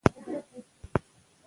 موږ باید دې غږ ته لبیک ووایو.